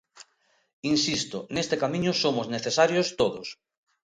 Insisto: neste camiño somos necesarios todos.